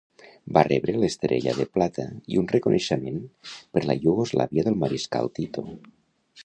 Va rebre l'Estrella de Plata i un reconeixement per la Iugoslàvia del Mariscal Tito.